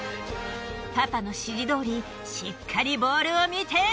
パパの指示どおりしっかりボールを見て。